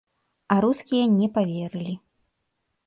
А рускія не паверылі.